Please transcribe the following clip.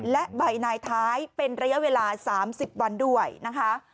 และใบนายท้ายเป็นระยะเวลา๓๐วันด้วยนะคะ